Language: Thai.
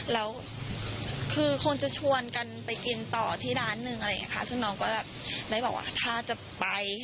แล้วคือคงจะชวนกันไปกินต่อที่ร้านหนึ่งอะไรอย่างนี้ค่ะซึ่งน้องก็ได้บอกว่าถ้าจะไป